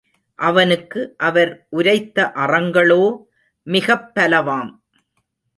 அவனுக்கு அவர் உரைத்த அறங்களோ மிகப் பலவாம்.